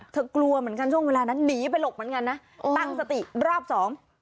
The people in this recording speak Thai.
กลัวเหมือนกันช่วงเวลานั้นหนีไปหลบเหมือนกันนะตั้งสติรอบสอง